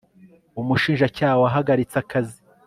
umushinjacyaha wahagaritse akazi